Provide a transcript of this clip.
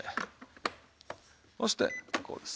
そしてこうです。